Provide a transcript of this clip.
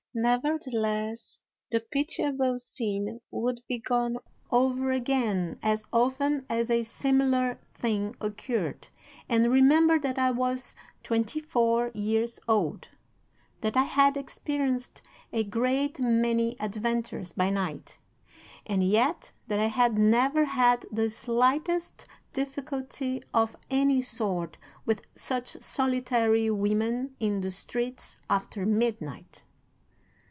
Nevertheless, the pitiable scene would be gone over again as often as a similar thing occurred and remember that I was twenty four years old, that I had experienced a great many adventures by night, and yet that I had never had the slightest difficulty of any sort with such solitary women in the streets after midnight!